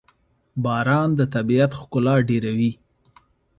باران د طبیعت ښکلا ډېروي.